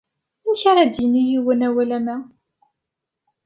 Amek ara d-yini yiwen awal am wa?